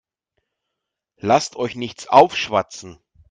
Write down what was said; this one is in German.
Lasst euch nichts aufschwatzen.